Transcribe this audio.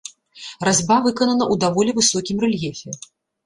Разьба выканана ў даволі высокім рэльефе.